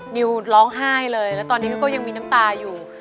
นิวร้องไห้เลยแล้วตอนนี้ก็ยังมีน้ำตาอยู่